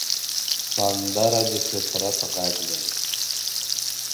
سندره د فطرت غږ دی